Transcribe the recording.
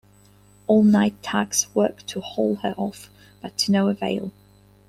All night tugs worked to haul her off, but to no avail.